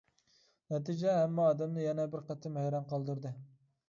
نەتىجە ھەممە ئادەمنى يەنە بىر قېتىم ھەيران قالدۇردى.